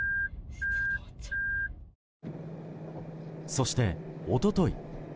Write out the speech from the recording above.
そして、一昨日。